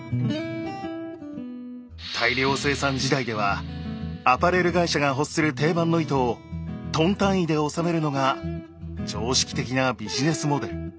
大量生産時代ではアパレル会社が欲する定番の糸をトン単位で納めるのが常識的なビジネスモデル。